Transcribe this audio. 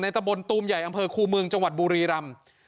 ในตะบลตูมใหญ่อำเภอคูมึงจังหวัดบุรีรัม